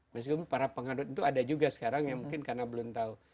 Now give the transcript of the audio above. meskipun para pengadut itu ada juga sekarang yang mungkin karena belum tahu